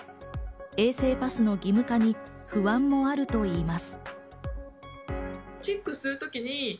衛生パスの義務化に不安もあるといいます。